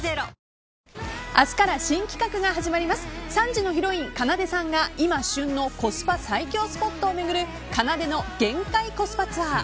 ３時のヒロイン、かなでさんが今旬のコスパ最強スポットを巡るかなでの限界コスパツアー。